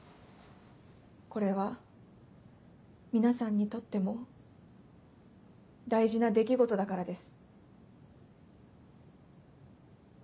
これは皆さんにとっても大事な出来事だからです。